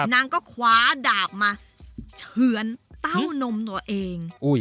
นางก็คว้าดาบมาเฉือนเต้านมตัวเอง